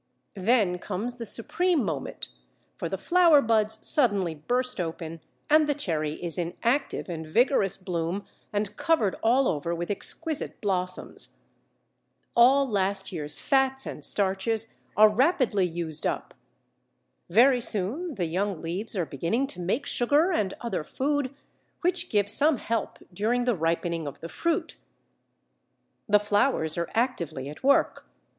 Then comes the supreme moment, for the flower buds suddenly burst open and the Cherry is in active and vigorous bloom and covered all over with exquisite blossoms. All last year's fats and starches are rapidly used up. Very soon the young leaves are beginning to make sugar and other food, which give some help during the ripening of the fruit. The flowers are actively at work.